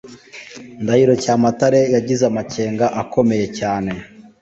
Ndahiro Cyamatare yagize amakenga akomeye cyane,